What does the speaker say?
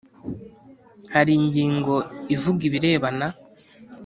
Hari ingingo ivuga ibirebana